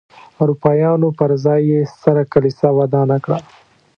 اروپایانو پر ځای یې ستره کلیسا ودانه کړه.